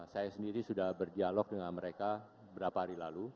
saya sendiri sudah berdialog dengan mereka beberapa hari lalu